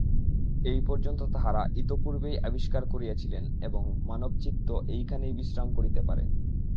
এই পর্যন্ত তাঁহারা ইতঃপূর্বেই আবিষ্কার করিয়াছিলেন এবং বহু মানবচিত্ত এইখানেই বিশ্রাম করিতে পারে।